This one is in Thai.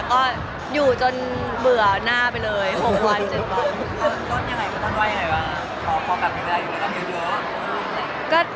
ก็อยู่จนเบื่อหน้าไปเลย๖วัน๗วัน